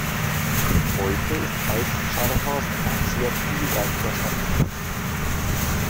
Heute ist Alt-Scharnhorst ein sehr vielseitiger Stadtteil.